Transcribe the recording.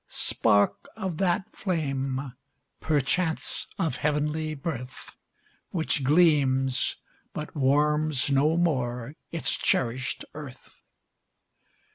Spark of that flame perchance of heavenly birth Which gleams, but warms no more its cherished earth!